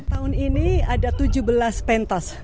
tahun ini ada tujuh belas pentas